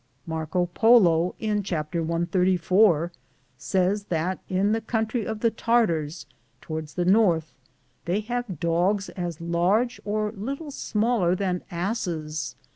Marco Polo, in chapter 134, says that in the country of the Tartars, toward the north, they have dogs as large or little smaller than asses.